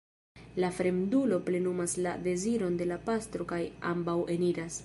La fremdulo plenumas la deziron de la pastro kaj ambaŭ eniras.